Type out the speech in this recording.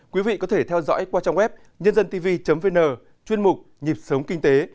quý vị có thể theo dõi qua trang web nhândântv vn chuyên mục nhịp sống kinh tế